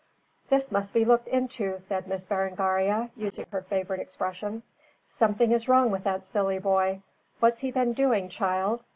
"This must be looked into," said Miss Berengaria, using her favorite expression. "Something is wrong with that silly boy. What's he been doing, child?